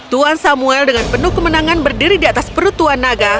tuan samuel dengan penuh kemenangan berdiri di atas perut tuan naga